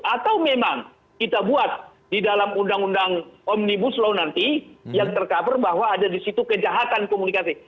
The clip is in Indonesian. atau memang kita buat di dalam undang undang omnibus law nanti yang tercover bahwa ada di situ kejahatan komunikasi